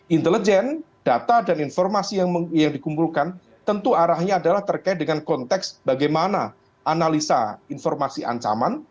intelijen data dan informasi yang dikumpulkan tentu arahnya adalah terkait dengan konteks bagaimana analisa informasi ancaman